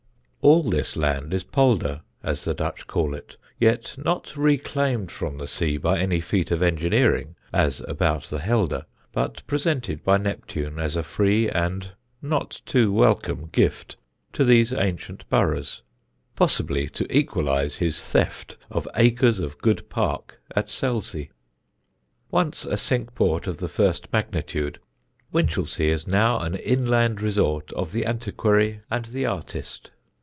All this land is polder, as the Dutch call it, yet not reclaimed from the sea by any feat of engineering, as about the Helder, but presented by Neptune as a free and not too welcome gift to these ancient boroughs possibly to equalise his theft of acres of good park at Selsey. Once a Cinque Port of the first magnitude, Winchelsea is now an inland resort of the antiquary and the artist.